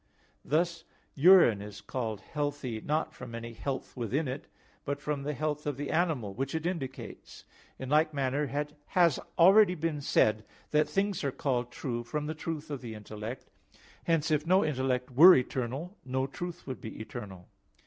Thus urine is called healthy, not from any health within it but from the health of an animal which it indicates. In like manner it has been already said that things are called true from the truth of the intellect. Hence, if no intellect were eternal, no truth would be eternal.